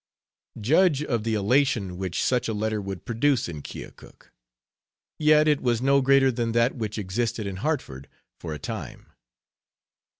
Judge of the elation which such a letter would produce in Keokuk! Yet it was no greater than that which existed in Hartford for a time.